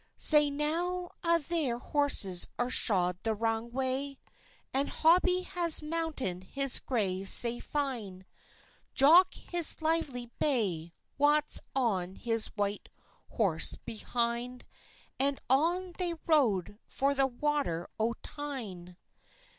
Sae now a' their horses are shod the wrang way, And Hobie has mounted his grey sae fine, Jock his lively bay, Wat's on his white horse behind, And on they rode for the water o Tyne.